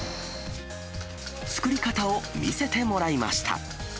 作り方を見せてもらいました。